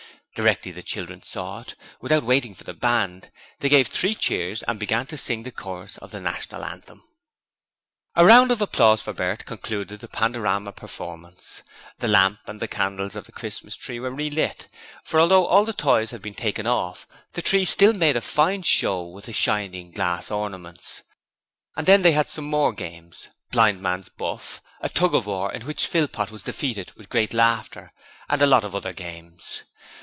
Directly the children saw it without waiting for the band they gave three cheers and began to sing the chorus of the National Anthem. A round of applause for Bert concluded the Pandorama performance; the lamp and the candles of the Christmas tree were relit for although all the toys had been taken off, the tree still made a fine show with the shining glass ornaments and then they had some more games; blind man's buff, a tug of war in which Philpot was defeated with great laughter and a lot of other games.